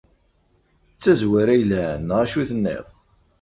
D tazwara yelhan, neɣ acu tenniḍ?